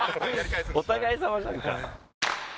お互いさまじゃんか。